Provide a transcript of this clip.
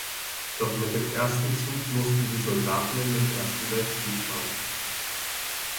Doch mit dem ersten Zug mussten die Soldaten in den Ersten Weltkrieg fahren.